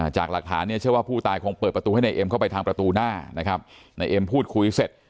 จากหลักฐานเนี่ยเชื่อว่าผู้ตายคงเปิดประตูให้นายเอ็มเข้าไปทางประตูหน้านะครับนายเอ็มพูดคุยเสร็จ